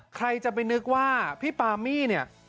ใครจะไปนึกว่าพี่ปามี่เนี่ย